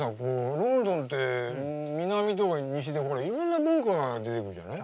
ロンドンってさ南とか西とかでいろんな文化が出てくるじゃない。